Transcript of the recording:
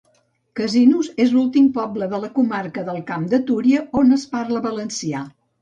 Casinos és l'últim poble de la comarca del Camp de Túria on es parla valencià.